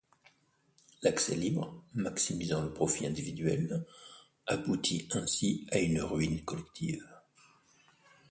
L'accès libre, maximisant le profit individuel, aboutit ainsi à une ruine collective.